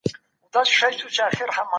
پیاز میکروب ضد خاصیت لري.